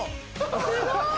すごーい！